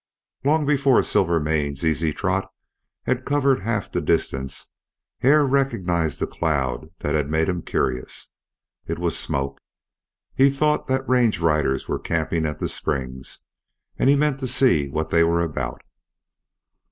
Long before Silvermane's easy trot had covered half the distance Hare recognized the cloud that had made him curious. It was smoke. He thought that range riders were camping at the springs, and he meant to see what they were about.